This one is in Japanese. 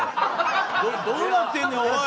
どうなってんねんおい！